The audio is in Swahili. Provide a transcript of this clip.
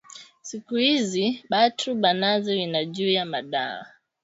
Siku izi batu bananza wina juya madawa